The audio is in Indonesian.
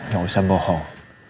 gak usah bohong